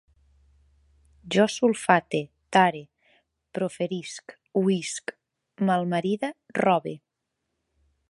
Jo sulfate, tare, proferisc, oïsc, malmaride, robe